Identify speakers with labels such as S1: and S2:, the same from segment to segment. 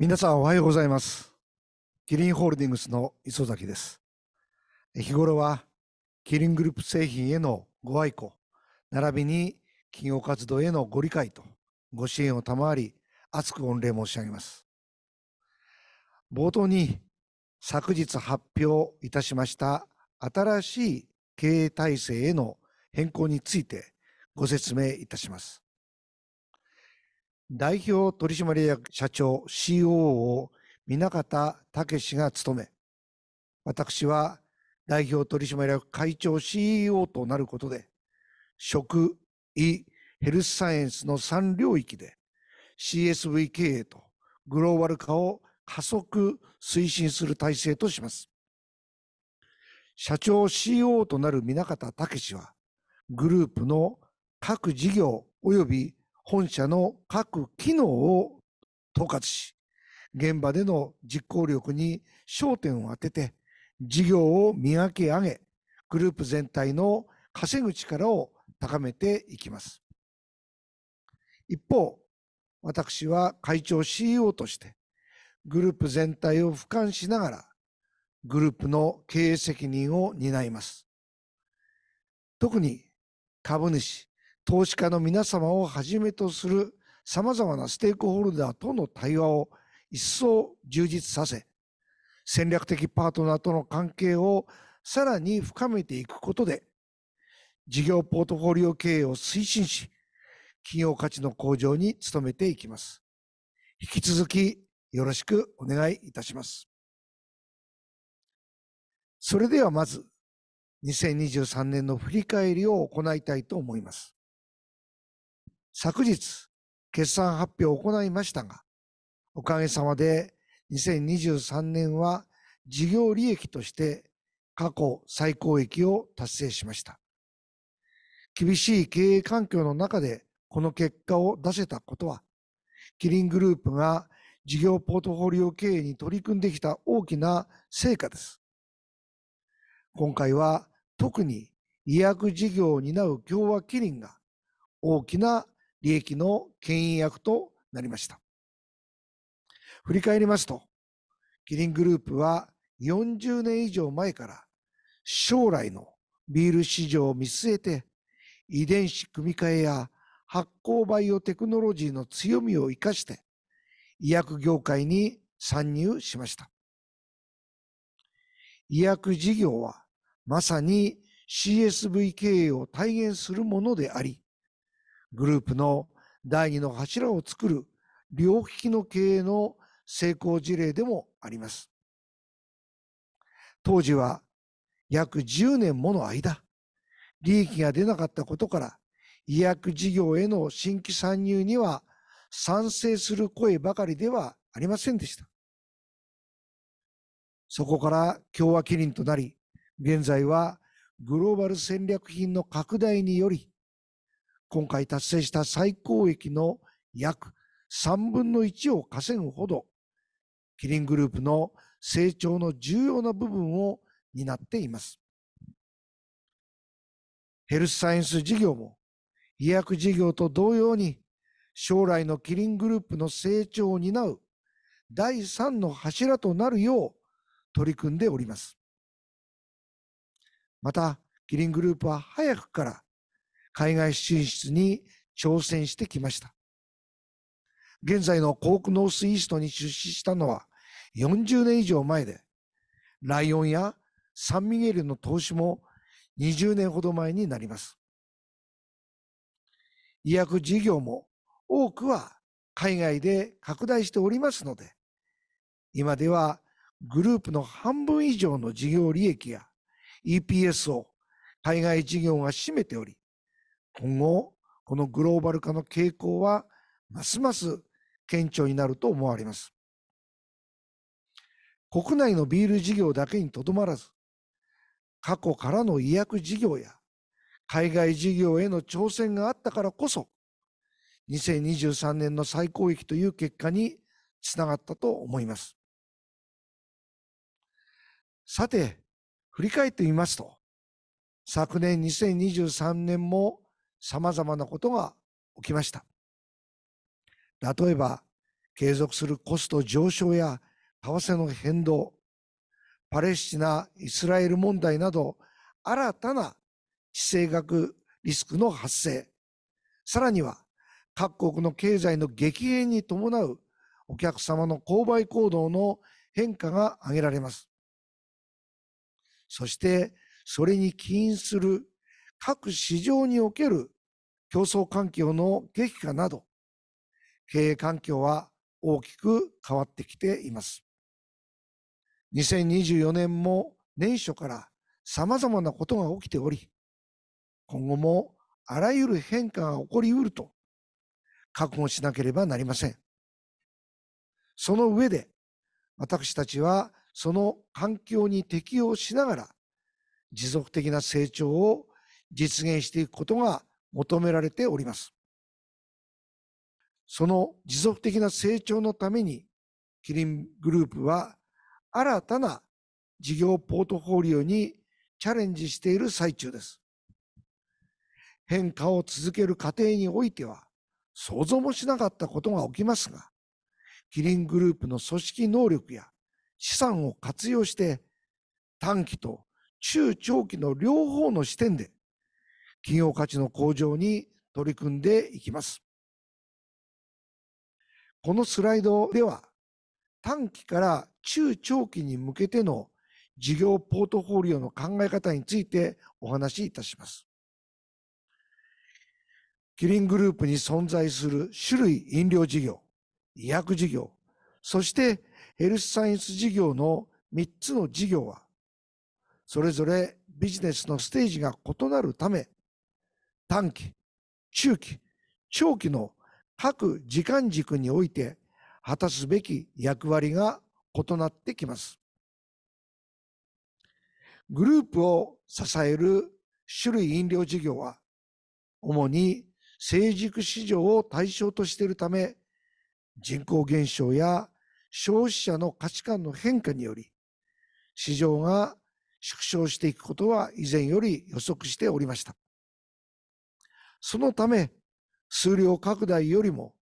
S1: 皆さん、おはようございます。キリンホールディングスの磯崎です。日頃はキリングループ製品へのご愛顧、ならびに企業活動へのご理解とご支援を賜り、厚く御礼申し上げます。冒頭に、昨日発表いたしました新しい経営体制への変更についてご説明いたします。代表取締役社長、COO を三中田健氏が務め、私は代表取締役会長、CEO となることで、食、医、ヘルスサイエンスの三領域で CSV 経営とグローバル化を加速推進する体制とします。社長、COO となる三中田健氏は、グループの各事業および本社の各機能を統括し、現場での実行力に焦点を当てて事業を磨き上げ、グループ全体の稼ぐ力を高めていきます。一方、私は会長、CEO としてグループ全体を俯瞰しながらグループの経営責任を担います。特に株主、投資家の皆さまをはじめとするさまざまなステークホルダーとの対話を一層充実させ、戦略的パートナーとの関係をさらに深めていくことで、事業ポートフォリオ経営を推進し、企業価値の向上に努めていきます。引き続きよろしくお願いいたします。それではまず、2023年の振り返りを行いたいと思います。昨日決算発表を行いましたが、おかげさまで2023年は事業利益として過去最高益を達成しました。厳しい経営環境の中でこの結果を出せたことは、キリングループが事業ポートフォリオ経営に取り組んできた大きな成果です。今回は特に医薬事業を担う協和キリンが大きな利益の牽引役となりました。振り返りますと、キリングループは40年以上前から将来のビール市場を見据えて、遺伝子組換えや発酵バイオテクノロジーの強みを活かして医薬業界に参入しました。医薬事業はまさに CSV 経営を体現するものであり、グループの第二の柱を作る長期経営の成功事例でもあります。当時は約10年もの間、利益が出なかったことから医薬事業への新規参入には賛成する声ばかりではありませんでした。そこから協和キリンとなり、現在はグローバル戦略品の拡大により、今回達成した最高益の約 1/3 を稼ぐほど、キリングループの成長の重要な部分を担っています。ヘルスサイエンス事業も医薬事業と同様に、将来のキリングループの成長を担う第三の柱となるよう取り組んでおります。また、キリングループは早くから海外進出に挑戦してきました。現在のコークノースイーストに出資したのは40年以上前で、ライオンやサンミゲルの投資も20年ほど前になります。医薬事業も多くは海外で拡大しておりますので、今ではグループの半分以上の事業利益や EPS を海外事業が占めており、今後このグローバル化の傾向はますます顕著になると思われます。国内のビール事業だけにとどまらず、過去からの医薬事業や海外事業への挑戦があったからこそ、2023年の最高益という結果につながったと思います。さて、振り返ってみますと、昨年2023年もさまざまなことが起きました。例えば、継続するコスト上昇や為替の変動、パレスチナ・イスラエル問題など新たな地政学リスクの発生、さらには各国の経済の激変に伴うお客さまの購買行動の変化が挙げられます。そして、それに起因する各市場における競争環境の激化など、経営環境は大きく変わってきています。2024年も年初からさまざまなことが起きており、今後もあらゆる変化が起こりうると覚悟しなければなりません。そのうえで、私たちはその環境に適応しながら持続的な成長を実現していくことが求められております。その持続的な成長のために、キリングループは新たな事業ポートフォリオにチャレンジしている最中です。変化を続ける過程においては想像もしなかったことが起きますが、キリングループの組織能力や資産を活用して短期と中長期の両方の視点で企業価値の向上に取り組んでいきます。このスライドでは、短期から中長期に向けての事業ポートフォリオの考え方についてお話しいたします。キリングループに存在する酒類飲料事業、医薬事業、そしてヘルスサイエンス事業の三つの事業は、それぞれビジネスのステージが異なるため、短期、中期、長期の各時間軸において果たすべき役割が異なってきます。グループを支える酒類飲料事業は、主に成熟市場を対象としているため、人口減少や消費者の価値観の変化により市場が縮小していくことは以前より予測しておりました。そのため、数量拡大よりも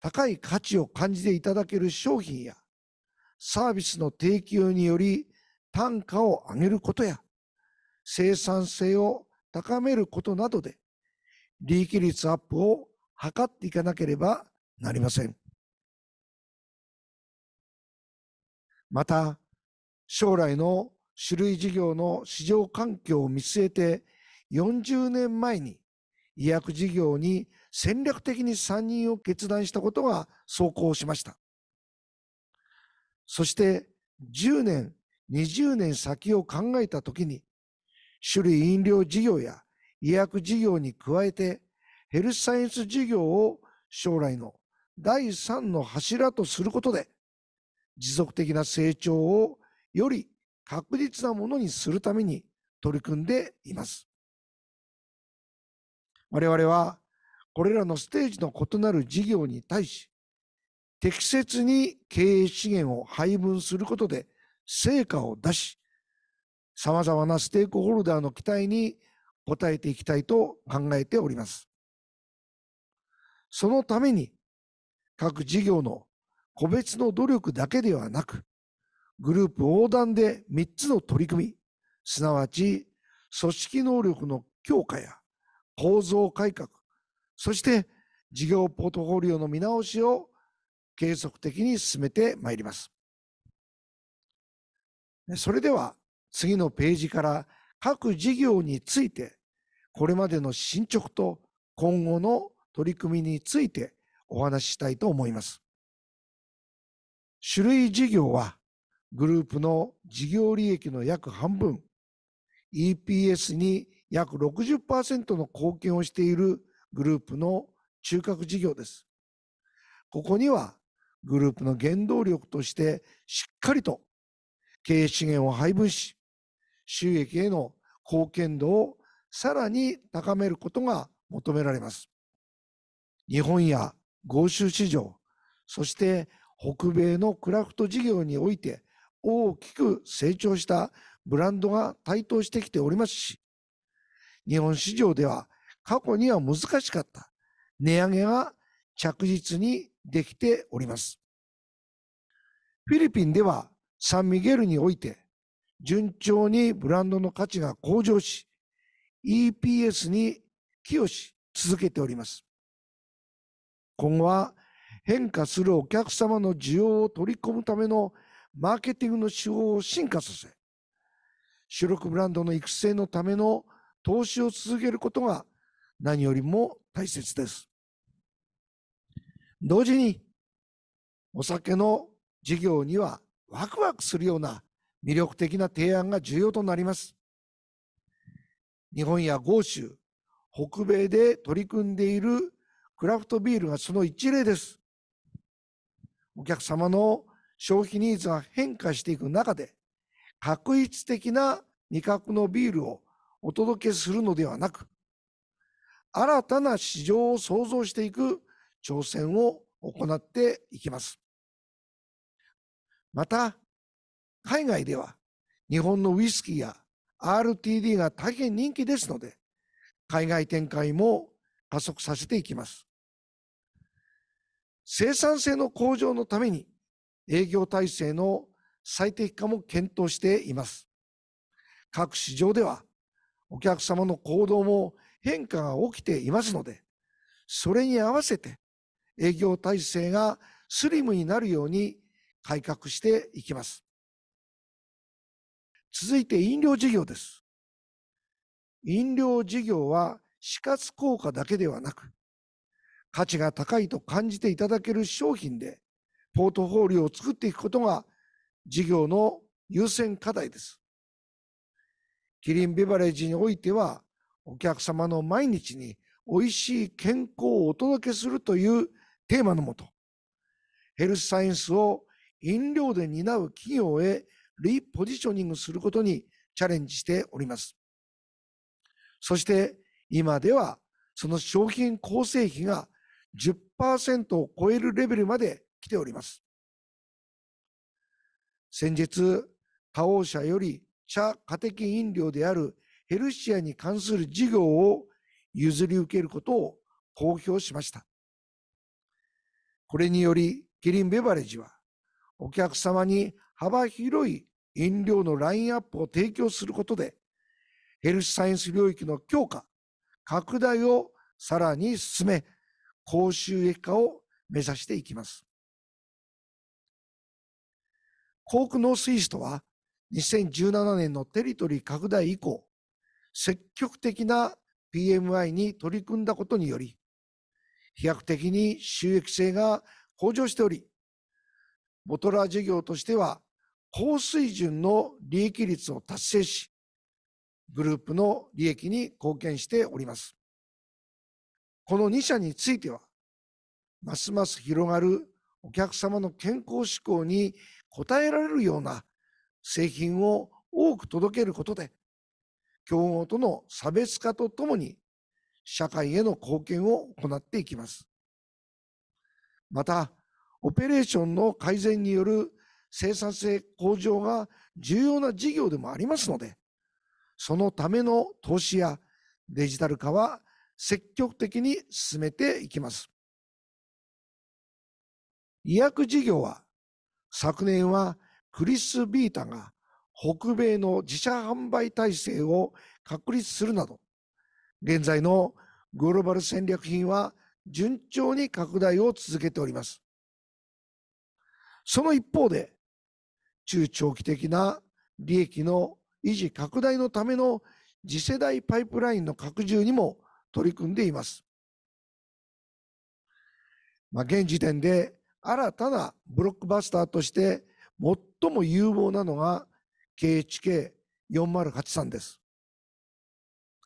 S1: 高い価値を感じていただける商品やサービスの提供により単価を上げることや生産性を高めることなどで、利益率アップを図っていかなければなりません。また、将来の酒類事業の市場環境を見据えて40年前に医薬事業に戦略的に参入を決断したことが奏効しました。そして、10 年、20年先を考えたときに、酒類飲料事業や医薬事業に加えてヘルスサイエンス事業を将来の第三の柱とすることで、持続的な成長をより確実なものにするために取り組んでいます。我々は、これらのステージの異なる事業に対し、適切に経営資源を配分することで成果を出し、さまざまなステークホルダーの期待に応えていきたいと考えております。そのために、各事業の個別の努力だけではなく、グループ横断で三つの取り組み、すなわち組織能力の強化や構造改革、そして事業ポートフォリオの見直しを継続的に進めてまいります。それでは、次のページから各事業について、これまでの進捗と今後の取り組みについてお話ししたいと思います。酒類事業はグループの事業利益の約半分、EPS に約 60% の貢献をしているグループの中核事業です。ここにはグループの原動力としてしっかりと経営資源を配分し、収益への貢献度をさらに高めることが求められます。日本や豪州市場、そして北米のクラフト事業において大きく成長したブランドが台頭してきておりますし、日本市場では過去には難しかった値上げが着実にできております。フィリピンではサンミゲルにおいて順調にブランドの価値が向上し、EPS に寄与し続けております。今後は、変化するお客さまの需要を取り込むためのマーケティングの手法を進化させ、主力ブランドの育成のための投資を続けることが何よりも大切です。同時に、お酒の事業にはワクワクするような魅力的な提案が重要となります。日本や豪州、北米で取り組んでいるクラフトビールがその一例です。お客さまの消費ニーズが変化していく中で、画一的な味覚のビールをお届けするのではなく、新たな市場を創造していく挑戦を行っていきます。また、海外では日本のウイスキーや RTD が大変人気ですので、海外展開も加速させていきます。生産性の向上のために営業体制の最適化も検討しています。各市場ではお客さまの行動も変化が起きていますので、それに合わせて営業体制がスリムになるように改革していきます。続いて飲料事業です。飲料事業は数量効果だけではなく、価値が高いと感じていただける商品でポートフォリオを作っていくことが事業の優先課題です。キリンビバレッジにおいては、お客さまの毎日においしい健康をお届けするというテーマのもと、ヘルスサイエンスを飲料で担う企業へリポジショニングすることにチャレンジしております。そして、今ではその商品構成比が 10% を超えるレベルまで来ております。先日、花王様より茶カテキン飲料であるヘルシアに関する事業を譲り受けることを公表しました。これにより、キリンビバレッジはお客さまに幅広い飲料のラインアップを提供することで、ヘルスサイエンス領域の強化、拡大をさらに進め、高収益化を目指していきます。コークノースイーストは2017年のテリトリー拡大以降、積極的な PMI に取り組んだことにより、飛躍的に収益性が向上しており、ボトラー事業としては高水準の利益率を達成し、グループの利益に貢献しております。この二社については、ますます広がるお客さまの健康志向に応えられるような製品を多く届けることで、競合との差別化とともに社会への貢献を行っていきます。また、オペレーションの改善による生産性向上が重要な事業でもありますので、そのための投資やデジタル化は積極的に進めていきます。医薬事業は、昨年はクリスビータが北米の自社販売体制を確立するなど、現在のグローバル戦略品は順調に拡大を続けております。その一方で、中長期的な利益の維持拡大のための次世代パイプラインの拡充にも取り組んでいます。現時点で新たなブロックバスターとして最も有望なのが KHK4083 です。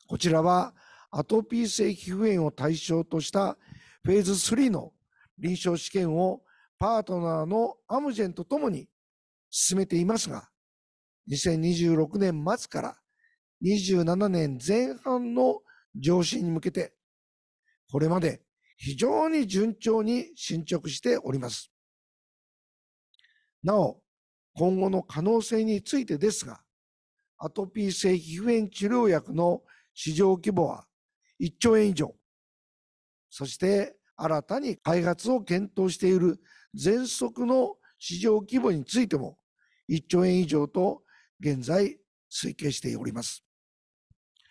S1: こちらはアトピー性皮膚炎を対象としたフェーズ3の臨床試験をパートナーのアムジェンとともに進めていますが、2026年末から27年前半の上市に向けて、これまで非常に順調に進捗しております。なお、今後の可能性についてですが、アトピー性皮膚炎治療薬の市場規模は ¥1 兆以上、そして新たに開発を検討している喘息の市場規模についても ¥1 兆以上と現在推計しております。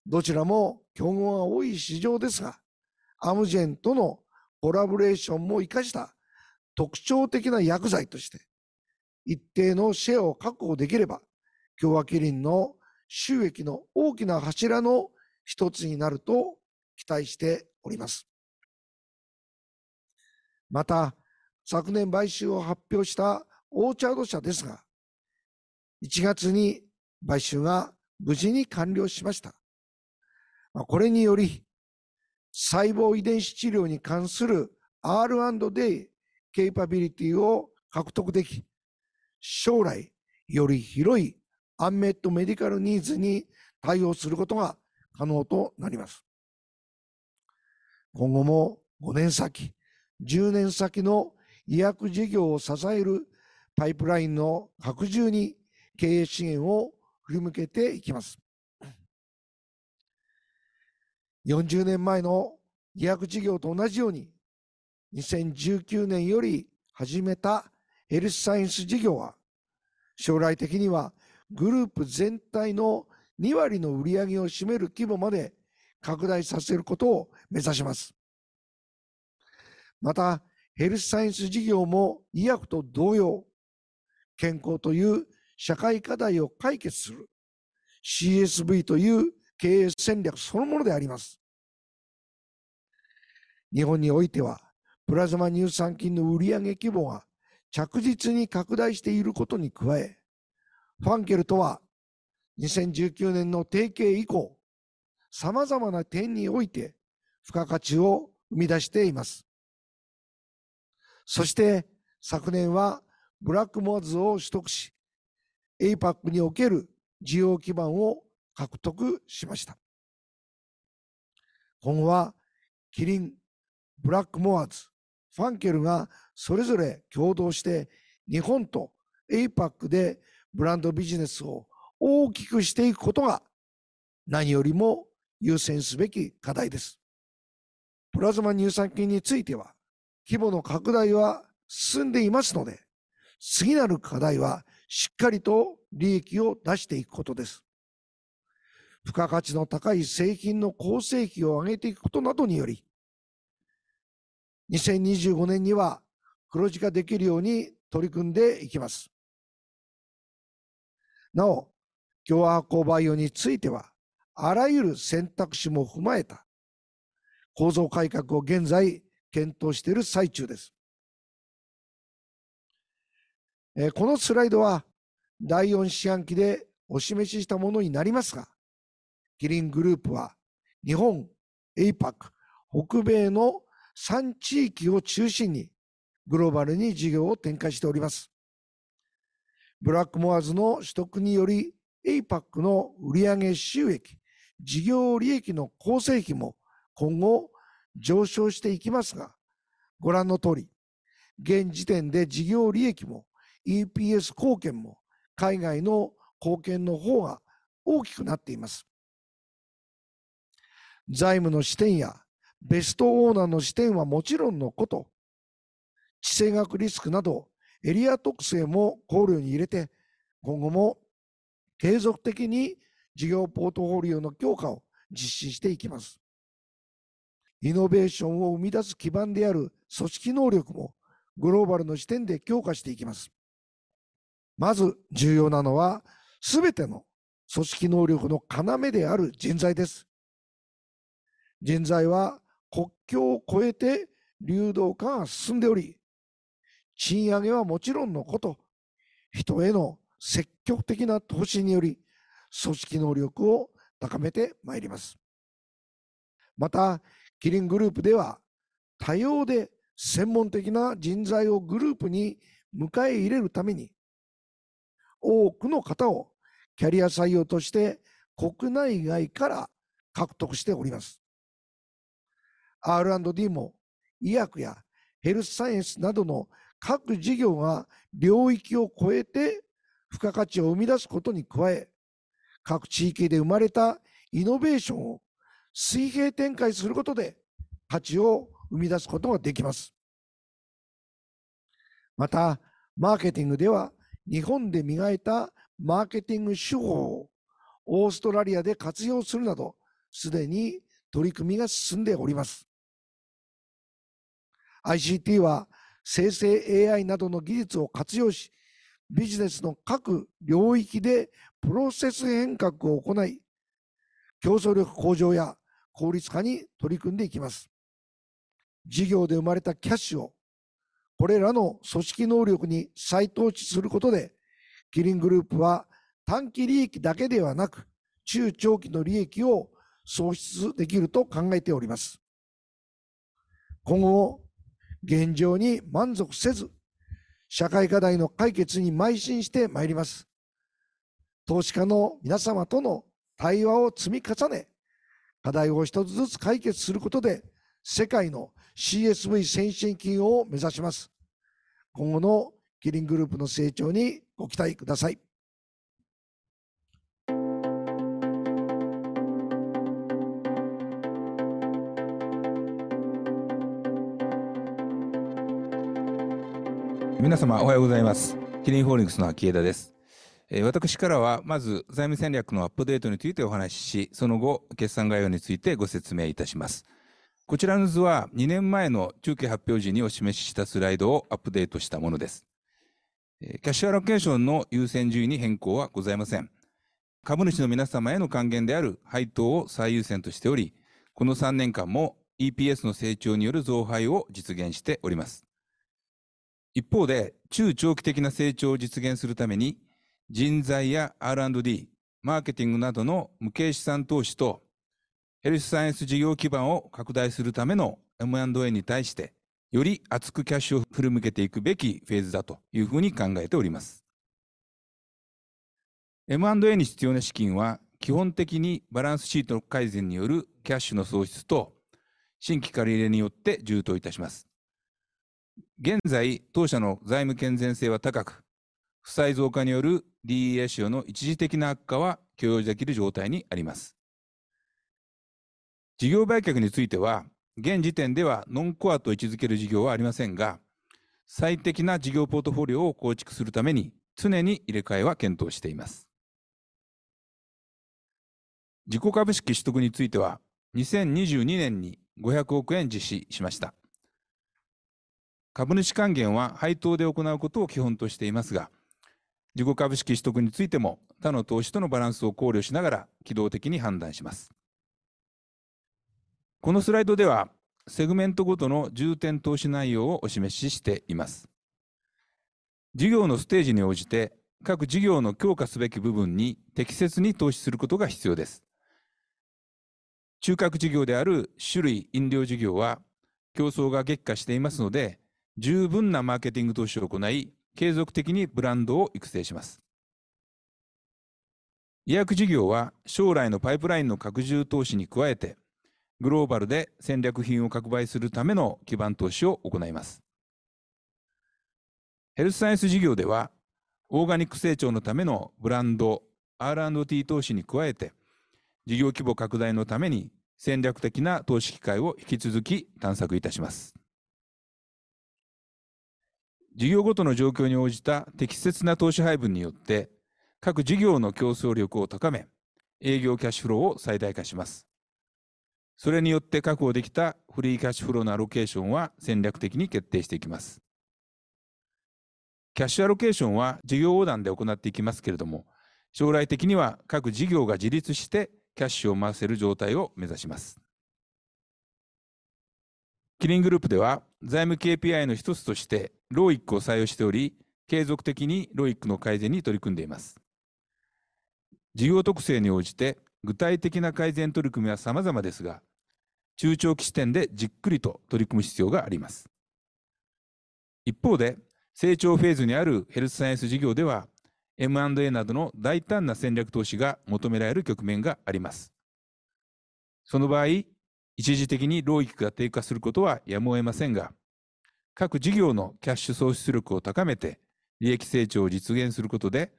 S1: どちらも競合が多い市場ですが、アムジェンとのコラボレーションも活かした特徴的な薬剤として一定のシェアを確保できれば、将来はキリンの収益の大きな柱の一つになると期待しております。また、昨年買収を発表したオーチャード社ですが、1月に買収が無事に完了しました。これにより、細胞遺伝子治療に関する R&D キャパビリティを獲得でき、将来より広いアンメットメディカルニーズに対応することが可能となります。今後も5年先、10年先の医薬事業を支えるパイプラインの拡充に経営資源を振り向けていきます。40年前の医薬事業と同じように、2019年より始めたヘルスサイエンス事業は、将来的にはグループ全体の2割の売上を占める規模まで拡大させることを目指します。また、ヘルスサイエンス事業も医薬と同様、健康という社会課題を解決する CSV という経営戦略そのものであります。日本においては、プラズマ乳酸菌の売上規模が着実に拡大していることに加え、ファンケルとは2019年の提携以降、さまざまな点において付加価値を生み出しています。そして、昨年はブラックモアーズを取得し、APAC における事業基盤を獲得しました。今後は、キリン、ブラックモアーズ、ファンケルがそれぞれ協働して日本と APAC でブランドビジネスを大きくしていくことが何よりも優先すべき課題です。プラズマ乳酸菌については、規模の拡大は進んでいますので、次なる課題はしっかりと利益を出していくことです。付加価値の高い製品の構成比を上げていくことなどにより、2025年には黒字化できるように取り組んでいきます。なお、協和発酵バイオについては、あらゆる選択肢も踏まえた構造改革を現在検討している最中です。このスライドは第4四半期でお示ししたものになりますが、キリングループは日本、APAC、北米の三地域を中心にグローバルに事業を展開しております。ブラックモアーズの取得により、APAC の売上収益、事業利益の構成比も今後上昇していきますが、ご覧のとおり、現時点で事業利益も EPS 貢献も海外の貢献のほうが大きくなっています。財務の視点やベストオーナーの視点はもちろんのこと、地政学リスクなどエリア特性も考慮に入れて、今後も継続的に事業ポートフォリオの強化を実施していきます。イノベーションを生み出す基盤である組織能力もグローバルの視点で強化していきます。まず重要なのは、すべての組織能力の要である人材です。人材は国境を越えて流動化が進んでおり、賃上げはもちろんのこと、人への積極的な投資により組織能力を高めてまいります。また、キリングループでは多様で専門的な人材をグループに迎え入れるために、多くの方をキャリア採用として国内外から獲得しております。R&D も医薬やヘルスサイエンスなどの各事業が領域を越えて付加価値を生み出すことに加え、各地域で生まれたイノベーションを水平展開することで価値を生み出すことができます。また、マーケティングでは日本で磨いたマーケティング手法をオーストラリアで活用するなど、すでに取り組みが進んでおります。ICT は生成 AI などの技術を活用し、ビジネスの各領域でプロセス変革を行い、競争力向上や効率化に取り組んでいきます。事業で生まれたキャッシュをこれらの組織能力に再投資することで、キリングループは短期利益だけではなく中長期の利益を創出できると考えております。今後も現状に満足せず、社会課題の解決に邁進してまいります。投資家の皆さまとの対話を積み重ね、課題を一つずつ解決することで世界の CSV 先進企業を目指します。今後のキリングループの成長にご期待ください。皆さま、おはようございます。キリンホールディングスの秋枝です。私からはまず財務戦略のアップデートについてお話しし、その後決算概要についてご説明いたします。こちらの図は2年前の中期発表時にお示ししたスライドをアップデートしたものです。キャッシュアロケーションの優先順位に変更はございません。株主の皆さまへの還元である配当を最優先としており、この3年間も EPS の成長による増配を実現しております。一方で、中長期的な成長を実現するために、人材や R&D、マーケティングなどの無形資産投資とヘルスサイエンス事業基盤を拡大するための M&A に対して、より厚くキャッシュを振り向けていくべきフェーズだというふうに考えております。M&A に必要な資金は基本的にバランスシート改善によるキャッシュの創出と新規借入れによって充当いたします。現在、当社の財務健全性は高く、負債増加による D/E 比率の一時的な悪化は許容できる状態にあります。事業売却については、現時点ではノンコアと位置づける事業はありませんが、最適な事業ポートフォリオを構築するために常に入れ替えは検討しています。自己株式取得については、2022年に ¥500 億実施しました。株主還元は配当で行うことを基本としていますが、自己株式取得についても他の投資とのバランスを考慮しながら機動的に判断します。このスライドでは、セグメントごとの重点投資内容をお示ししています。事業のステージに応じて、各事業の強化すべき部分に適切に投資することが必要です。中核事業である酒類、飲料事業は競争が激化していますので、十分なマーケティング投資を行い、継続的にブランドを育成します。医薬事業は将来のパイプラインの拡充投資に加えて、グローバルで戦略品を拡売するための基盤投資を行います。ヘルスサイエンス事業では、オーガニック成長のためのブランド、R&D 投資に加えて、事業規模拡大のために戦略的な投資機会を引き続き探索いたします。事業ごとの状況に応じた適切な投資配分によって、各事業の競争力を高め、営業キャッシュフローを最大化します。それによって確保できたフリーキャッシュフローのアロケーションは戦略的に決定していきます。キャッシュアロケーションは事業横断で行っていきますけれども、将来的には各事業が自立してキャッシュを回せる状態を目指します。キリングループでは、財務 KPI の一つとして ROIC を採用しており、継続的に ROIC の改善に取り組んでいます。事業特性に応じて具体的な改善取り組みは様々ですが、中長期視点でじっくりと取り組む必要があります。一方で、成長フェーズにあるヘルスサイエンス事業では、M&A などの大胆な戦略投資が求められる局面があります。その場合、一時的に ROIC が低下することはやむを得ませんが、各事業のキャッシュ創出力を高めて利益成長を実現することで、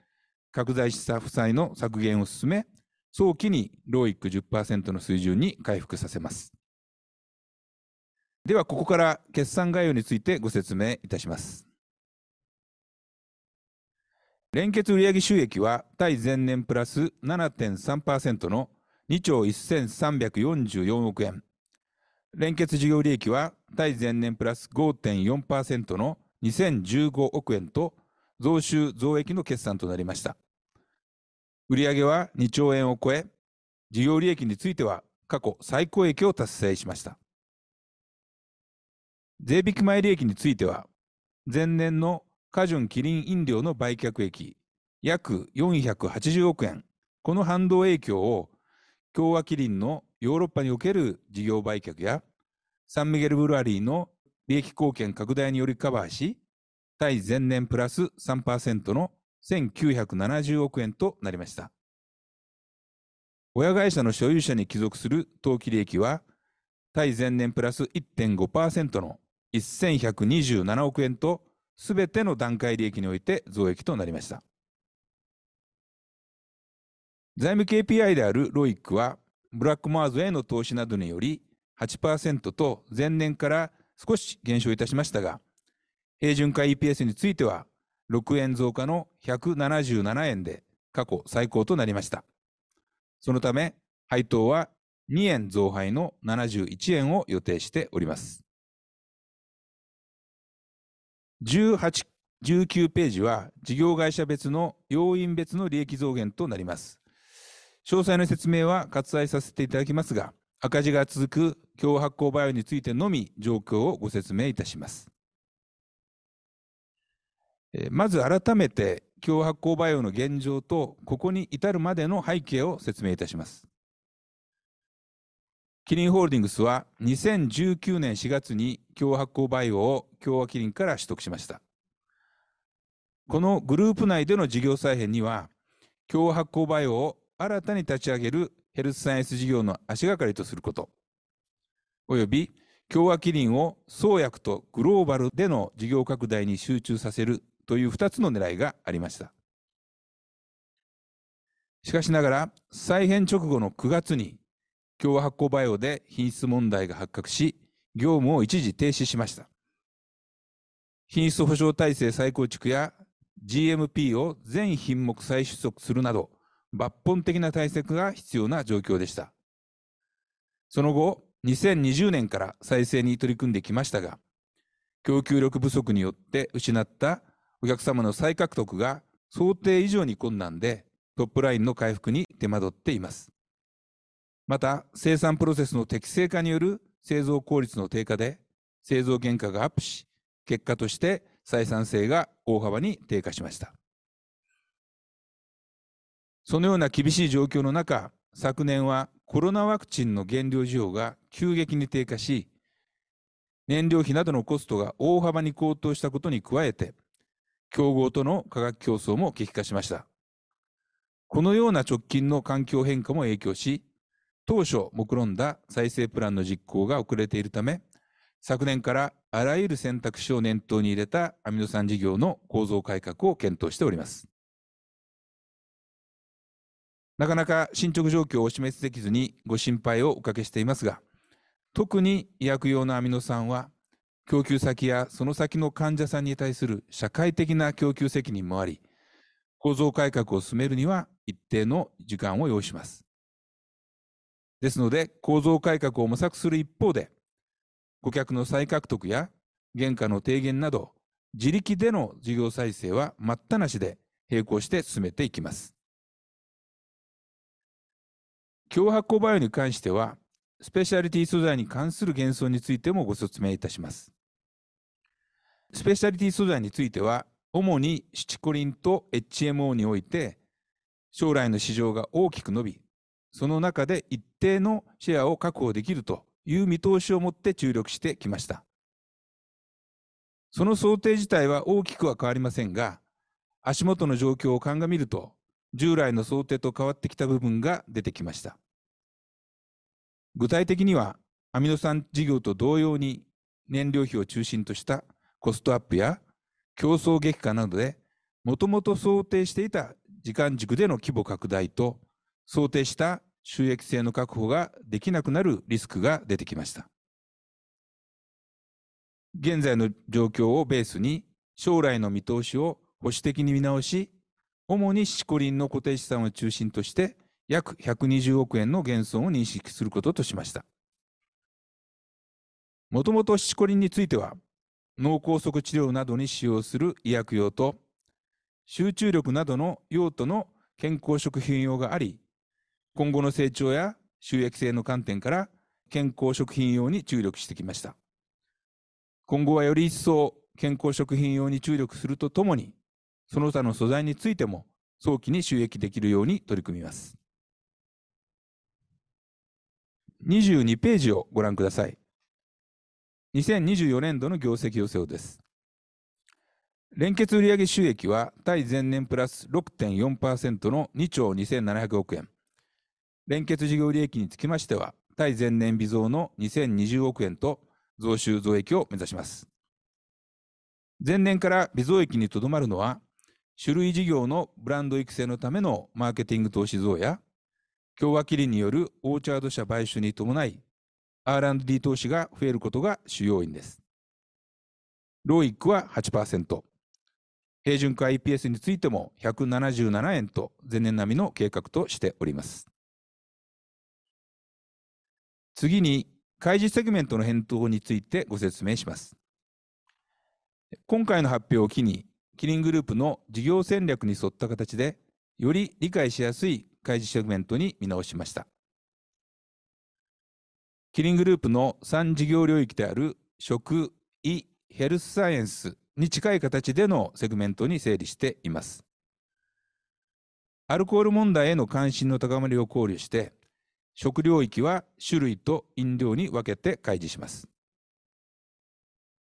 S1: 拡大した負債の削減を進め、早期に ROIC10% の水準に回復させます。では、ここから決算概要についてご説明いたします。連結売上収益は対前年プラス 7.3% の ¥2 兆 1,344 億。連結事業利益は対前年プラス 5.4% の ¥2,015 億と、増収増益の決算となりました。売上は ¥2 兆を超え、事業利益については過去最高益を達成しました。税引前利益については、前年の花王キリン飲料の売却益約 ¥480 億。この反動影響を、協和キリンのヨーロッパにおける事業売却やサンミゲル・ブルワリーの利益貢献拡大によりカバーし、対前年プラス 3% の ¥1,970 億となりました。親会社の所有者に帰属する当期利益は、対前年プラス 1.5% の ¥1,127 億と、すべての段階利益において増益となりました。財務 KPI である ROIC は、ブラックモアーズへの投資などにより 8% と前年から少し減少いたしましたが、平準化 EPS については ¥6 増加の ¥177 で過去最高となりました。そのため、配当は ¥2 増配の ¥71 を予定しております。18、19ページは事業会社別の要因別の利益増減となります。詳細な説明は割愛させていただきますが、赤字が続く協和発酵バイオについてのみ状況をご説明いたします。まず改めて協和発酵バイオの現状と、ここに至るまでの背景を説明いたします。キリンホールディングスは2019年4月に協和発酵バイオを協和キリンから取得しました。このグループ内での事業再編には、協和発酵バイオを新たに立ち上げるヘルスサイエンス事業の足がかりとすること、および協和キリンを創薬とグローバルでの事業拡大に集中させるという二つの狙いがありました。しかしながら、再編直後の9月に協和発酵バイオで品質問題が発覚し、業務を一時停止しました。品質保証体制再構築や GMP を全品目再取得するなど、抜本的な対策が必要な状況でした。その後、2020年から再生に取り組んできましたが、供給力不足によって失ったお客様の再獲得が想定以上に困難で、トップラインの回復に手間取っています。また、生産プロセスの適正化による製造効率の低下で製造原価がアップし、結果として採算性が大幅に低下しました。そのような厳しい状況の中、昨年はコロナワクチンの原料需要が急激に低下し、燃料費などのコストが大幅に高騰したことに加えて、競合との価格競争も激化しました。このような直近の環境変化も影響し、当初目論んだ再生プランの実行が遅れているため、昨年からあらゆる選択肢を念頭に入れたアミノ酸事業の構造改革を検討しております。なかなか進捗状況をお示しできずにご心配をおかけしていますが、特に医薬用のアミノ酸は供給先やその先の患者さんに対する社会的な供給責任もあり、構造改革を進めるには一定の時間を要します。ですので、構造改革を模索する一方で、顧客の再獲得や原価の低減など自力での事業再生は待ったなしで並行して進めていきます。協和発酵バイオに関しては、スペシャリティ素材に関する減損についてもご説明いたします。スペシャリティ素材については、主にシチコリンと HMO において将来の市場が大きく伸び、その中で一定のシェアを確保できるという見通しを持って注力してきました。その想定自体は大きくは変わりませんが、足元の状況を鑑みると従来の想定と変わってきた部分が出てきました。具体的には、アミノ酸事業と同様に燃料費を中心としたコストアップや競争激化などで、元々想定していた時間軸での規模拡大と想定した収益性の確保ができなくなるリスクが出てきました。現在の状況をベースに将来の見通しを保守的に見直し、主にシチコリンの固定資産を中心として約 ¥120 億の減損を認識することとしました。元々シチコリンについては、脳梗塞治療などに使用する医薬用と集中力などの用途の健康食品用があり、今後の成長や収益性の観点から健康食品用に注力してきました。今後はより一層健康食品用に注力するとともに、その他の素材についても早期に収益化できるように取り組みます。22ページをご覧ください。2024年度の業績予想です。連結売上収益は対前年プラス 6.4% の ¥2 兆 2,700 億。連結事業利益につきましては、対前年微増の ¥2,020 億と増収増益を目指します。前年から微増益にとどまるのは、酒類事業のブランド育成のためのマーケティング投資増や、協和キリンによるオーチャード社買収に伴い、R&D 投資が増えることが主要因です。ROIC は 8%。平準化 EPS についても ¥177 と前年並みの計画としております。次に、開示セグメントの変更についてご説明します。今回の発表を機に、キリングループの事業戦略に沿った形で、より理解しやすい開示セグメントに見直しました。キリングループの三事業領域である食、医、ヘルスサイエンスに近い形でのセグメントに整理しています。アルコール問題への関心の高まりを考慮して、食領域は酒類と飲料に分けて開示します。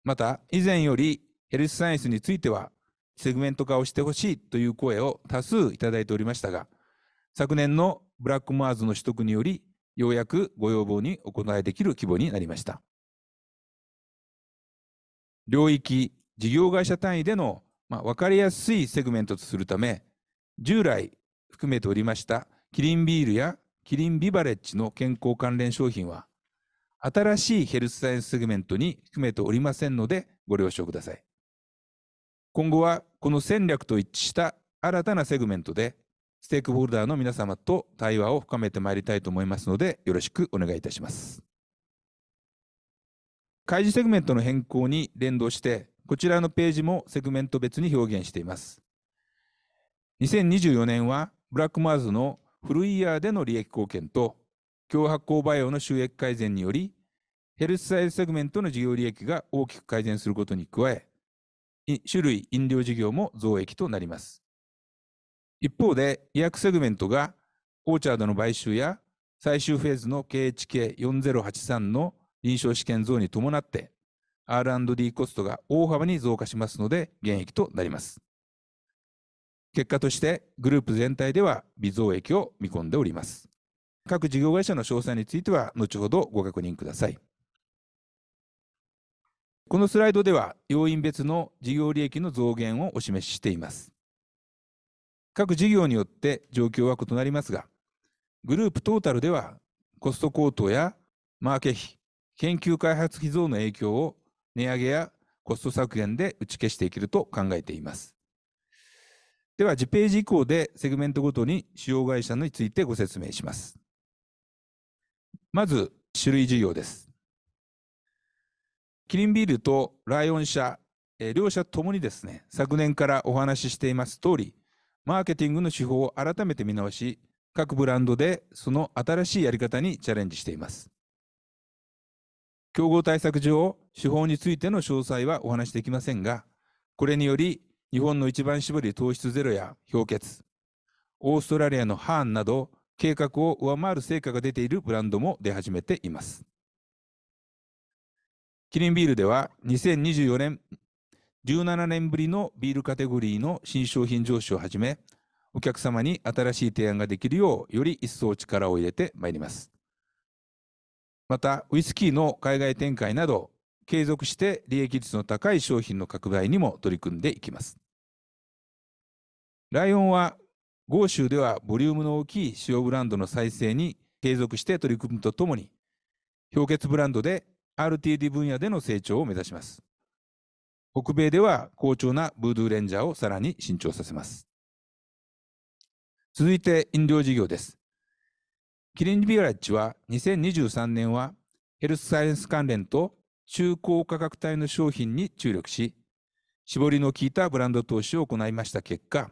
S1: また、以前よりヘルスサイエンスについてはセグメント化をしてほしいという声を多数いただいておりましたが、昨年のブラックモアーズの取得により、ようやくご要望にお応えできる規模になりました。領域、事業会社単位での分かりやすいセグメントとするため、従来含めておりましたキリンビールやキリンビバレッジの健康関連商品は、新しいヘルスサイエンスセグメントに含めておりませんのでご了承ください。今後はこの戦略と一致した新たなセグメントで、ステークホルダーの皆様と対話を深めてまいりたいと思いますので、よろしくお願いいたします。開示セグメントの変更に連動して、こちらのページもセグメント別に表現しています。2024年はブラックモアーズの通期での利益貢献と、協和発酵バイオの収益改善により、ヘルスサイエンスセグメントの事業利益が大きく改善することに加え、酒類、飲料事業も増益となります。一方で、医薬セグメントがオーチャードの買収や最終フェーズの KHK4083 の臨床試験増に伴って、R&D コストが大幅に増加しますので減益となります。結果として、グループ全体では微増益を見込んでおります。各事業会社の詳細については後ほどご確認ください。このスライドでは、要因別の事業利益の増減をお示ししています。各事業によって状況は異なりますが、グループトータルではコスト高騰やマーケ費、研究開発費増の影響を値上げやコスト削減で打ち消していけると考えています。では、次ページ以降でセグメントごとに主要会社についてご説明します。まず、酒類事業です。キリンビールとライオン社、両社ともに昨年からお話ししていますとおり、マーケティングの手法を改めて見直し、各ブランドでその新しいやり方にチャレンジしています。競合対策上、手法についての詳細はお話しできませんが、これにより日本の一番搾り糖質ゼロや氷結、オーストラリアのハーンなど計画を上回る成果が出ているブランドも出始めています。キリンビールでは、2024 年、17年ぶりのビールカテゴリーの新商品上市を始め、お客様に新しい提案ができるようより一層力を入れてまいります。また、ウイスキーの海外展開など、継続して利益率の高い商品の拡大にも取り組んでいきます。ライオンは、豪州ではボリュームの大きい主力ブランドの再生に継続して取り組むとともに、氷結ブランドで RTD 分野での成長を目指します。北米では好調なブードゥーレンジャーをさらに伸長させます。続いて、飲料事業です。キリンビバレッジは、2023年はヘルスサイエンス関連と中高価格帯の商品に注力し、絞りの効いたブランド投資を行いました結果、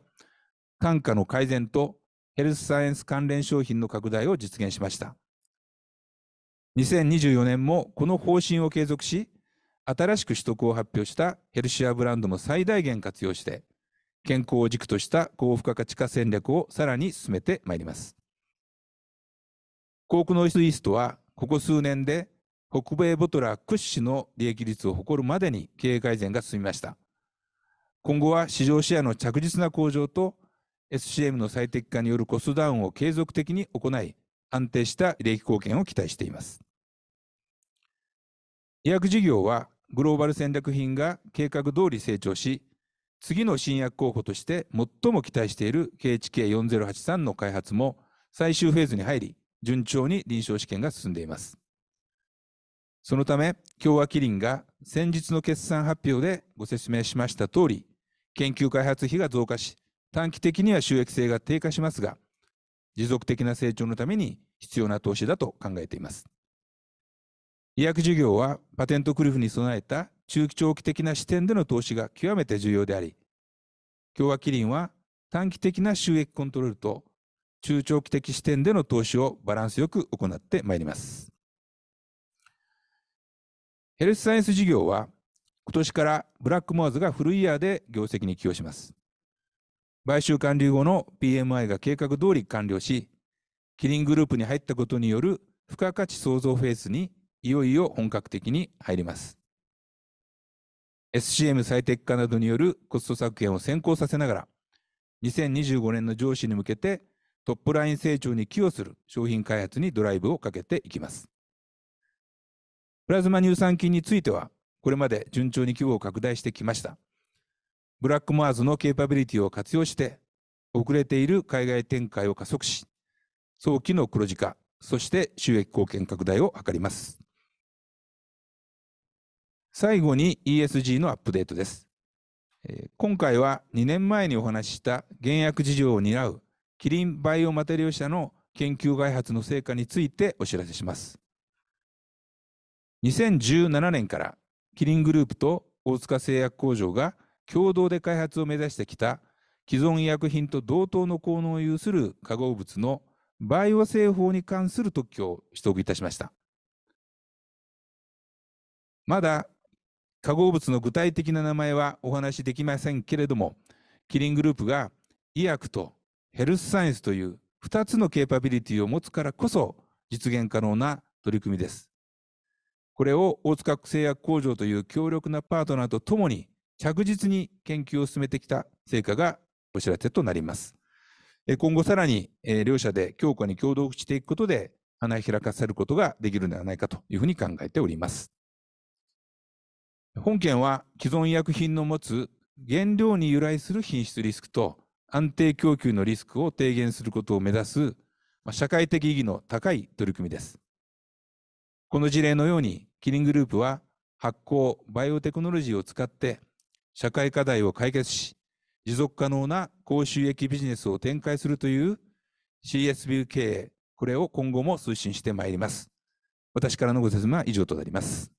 S1: 単価の改善とヘルスサイエンス関連商品の拡大を実現しました。2024年もこの方針を継続し、新しく取得を発表したヘルシアブランドも最大限活用して、健康を軸とした高付加価値化戦略をさらに進めてまいります。コークノースイーストは、ここ数年で北米ボトラー屈指の利益率を誇るまでに経営改善が進みました。今後は市場シェアの着実な向上と、SCM の最適化によるコストダウンを継続的に行い、安定した利益貢献を期待しています。医薬事業は、グローバル戦略品が計画どおり成長し、次の新薬候補として最も期待している KHK4083 の開発も最終フェーズに入り、順調に臨床試験が進んでいます。そのため、協和キリンが先日の決算発表でご説明しましたとおり、研究開発費が増加し、短期的には収益性が低下しますが、持続的な成長のために必要な投資だと考えています。医薬事業は、パテントクリフに備えた中長期的な視点での投資が極めて重要であり、協和キリンは短期的な収益コントロールと中長期的視点での投資をバランスよく行ってまいります。ヘルスサイエンス事業は、今年からブラックモアーズが通期で業績に寄与します。買収完了後の PMI が計画どおり完了し、キリングループに入ったことによる付加価値創造フェーズに、いよいよ本格的に入ります。SCM 最適化などによるコスト削減を先行させながら、2025年の上市に向けてトップライン成長に寄与する商品開発にドライブをかけていきます。プラズマ乳酸菌については、これまで順調に規模を拡大してきました。ブラックモアーズのケイパビリティを活用して、遅れている海外展開を加速し、早期の黒字化、そして収益貢献拡大を図ります。最後に ESG のアップデートです。今回は2年前にお話しした原薬事業を担うキリンバイオマテリアル社の研究開発の成果についてお知らせします。2017年からキリングループと大塚製薬工場が共同で開発を目指してきた、既存医薬品と同等の効能を有する化合物のバイオ製法に関する特許を取得いたしました。まだ、化合物の具体的な名前はお話しできませんけれども、キリングループが医薬とヘルスサイエンスという二つのケイパビリティを持つからこそ実現可能な取り組みです。これを大塚製薬工場という強力なパートナーとともに着実に研究を進めてきた成果がお知らせとなります。今後さらに、両社で強固に協働していくことで、花開かせることができるのではないかというふうに考えております。本件は、既存医薬品の持つ原料に由来する品質リスクと安定供給のリスクを低減することを目指す、社会的意義の高い取り組みです。この事例のように、キリングループは発酵、バイオテクノロジーを使って社会課題を解決し、持続可能な高収益ビジネスを展開するという CSV 経営、これを今後も推進してまいります。私からのご説明は以上となります。